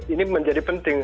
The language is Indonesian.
ini menjadi penting